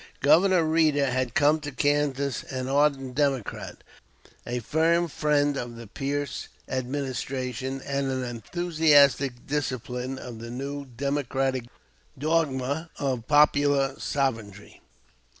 Governor Reeder had come to Kansas an ardent Democrat, a firm friend of the Pierce Administration, and an enthusiastic disciple of the new Democratic dogma of "Popular Sovereignty."